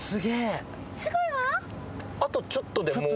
あとちょっとでもう。